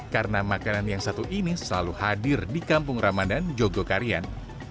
karena makanan yang satu ini selalu hadir di kampung ramadhan jogokarian